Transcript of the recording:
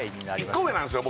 １個上なんですよ